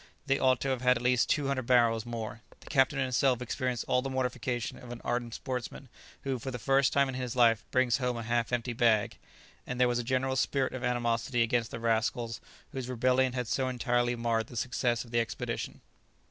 They ought to have had at least two hundred barrels more. The captain himself experienced all the mortification of an ardent sportsman who for the first time in his life brings home a half empty bag; and there was a general spirit of animosity against the rascals whose rebellion had so entirely marred the success of the expedition.